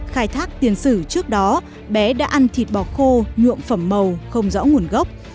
khai thác tiền sử trước đó bé đã ăn thịt bò khô nhuộm phẩm màu không rõ nguồn gốc